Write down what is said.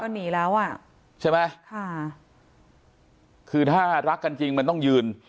หนีแล้วอ่ะใช่ไหมค่ะคือถ้ารักกันจริงมันต้องยืน